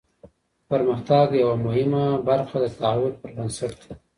د پرمختګ یوه مهمه برخه د تعهد پر بنسټ ده.